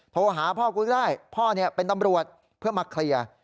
โทรหาพ่อกูก็ได้พ่อเป็นตำรวจเพื่อมาเคลียร์